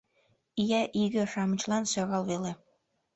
Ия иге-шамычлан сӧрал веле.